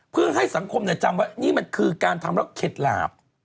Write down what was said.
เพื่อให้สังคมจำว่านี่มันคือการทำแล้วเข็ดหลาบ